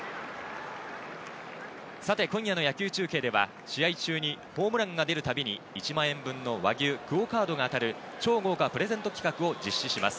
さて今夜の野球中継では試合中にホームランが出るたびに１万円分の和牛、ＱＵＯカードが当たる、超豪華プレゼント企画を実施します。